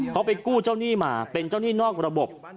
เขาไปกู้เจ้าหนี้มาเป็นเจ้าหนี้นอกระบบ